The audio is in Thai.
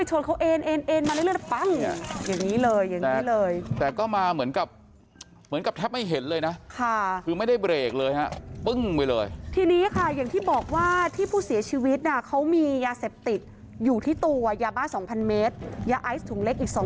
ใช่คือรถคันที่พุ่งไปชนเขาเอ